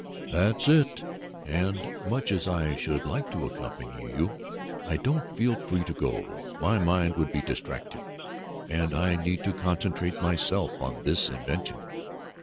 "That's it, and, much as I should like to accompany you, I don't feel free to go. My mind would be distracted, and I need to concentrate myself on this invention.